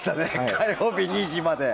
火曜日、２時まで。